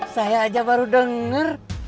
saya aja baru denger